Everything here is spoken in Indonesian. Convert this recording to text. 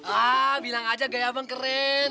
ah bilang aja gaya abang keren